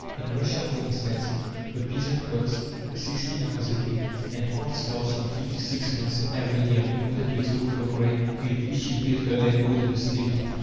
In Russia for instance, the peasant works sixteen hours a day, and half starves from three to six months every year, in order to export the grain with which he pays the landlord and the State.